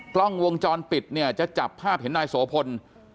กล้องวงจรปิดเนี่ยจะจับภาพเห็นนายโสพล